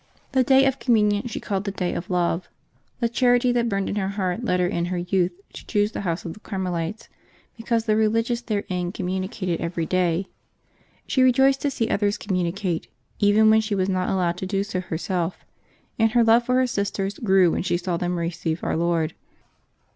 The day of Communion she called the day of love. The charity that burned in her heart led her in her youth to choose the house of the Carmelites, because the religious therein communicated every day. She re joiced to see others communicate, even when she was not allowed to do so herself ; and her love for her sisters grew when she saw them receive Our Lord.